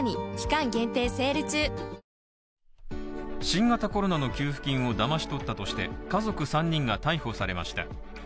新型コロナの給付金をだまし取ったとして、家族３人が逮捕されました。